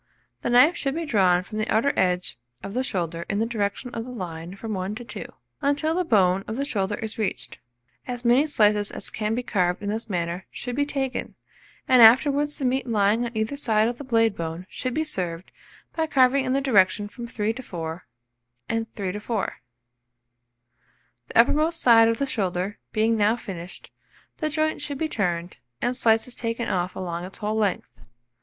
The knife should be drawn from the outer edge of the shoulder in the direction of the line from 1 to 2, until the bone of the shoulder is reached. As many slices as can be carved in this manner should be taken, and afterwards the meat lying on either side of the blade bone should be served, by carving in the direction of 3 to 4 and 3 to 4. The uppermost side of the shoulder being now finished, the joint should be turned, and slices taken off along its whole length.